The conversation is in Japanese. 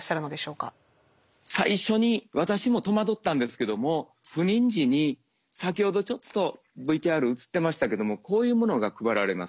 最初に私も戸惑ったんですけども赴任時に先ほどちょっとＶＴＲ映ってましたけどもこういうものが配られます。